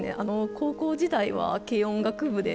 高校時代は軽音学部で。